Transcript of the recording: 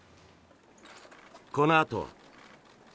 このあとは。